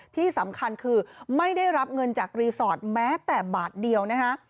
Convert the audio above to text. ที่สำคัญคือไม่ได้รับเงินจากรีสอร์ทแม้แต่บาทเดียวนะคะ